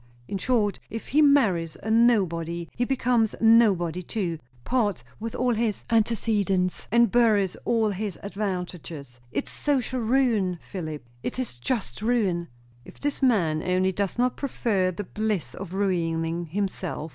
In short, if he marries a nobody he becomes nobody too; parts with all his antecedents, and buries all his advantages. It's social ruin, Philip! it is just ruin." "If this man only does not prefer the bliss of ruining himself!"